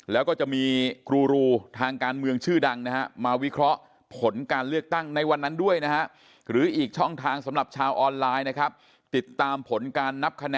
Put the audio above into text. แล้วก็จะมีกรูทางการเมืองชื่อดังนะฮะมาวิเคราะห์ผลการเลือกตั้งในวันนั้นด้วยนะฮะ